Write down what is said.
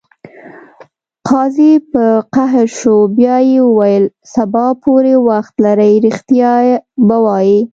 قاضي په قهر شو بیا یې وویل: سبا پورې وخت لرې ریښتیا به وایې.